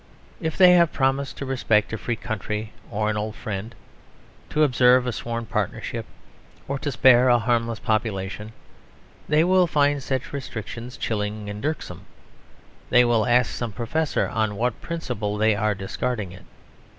If they have promised to respect a free country, or an old friend, to observe a sworn partnership, or to spare a harmless population, they will find such restrictions chilling and irksome. They will ask some professor on what principle they are discarding it.